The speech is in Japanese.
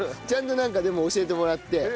ちゃんとなんかでも教えてもらって。